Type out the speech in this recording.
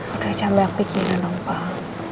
udah cambel aku kira dong pak